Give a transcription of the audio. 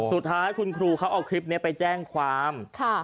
สุดท้ายคุณครูเขาเอาคลิปนี้ไปแจ้งความ